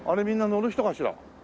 みんな乗る人かしら？